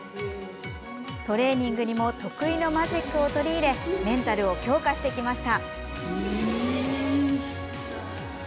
トレーニングにも得意のマジックを取り入れメンタルを強化してきました。